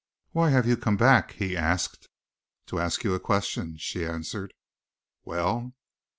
"Why have you come back?" he asked. "To ask you a question," she answered. "Well?"